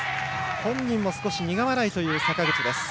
本人も少し苦笑いという坂口です。